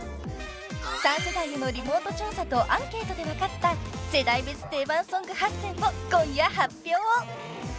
［三世代へのリモート調査とアンケートで分かった世代別定番ソング８選を今夜発表］